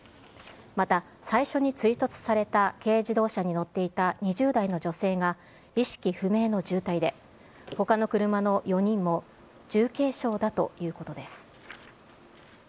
また、最初に追突された軽自動車に乗っていた２０代の女性が、意識不明の重体で、ほかの車の４人も、重軽傷だということです。